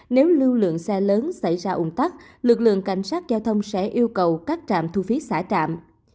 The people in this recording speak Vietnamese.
nếu lưu lượng xe lớn xảy ra ủng tắc lực lượng cảnh sát giao thông sẽ yêu cầu các trạm thu phí xả trạm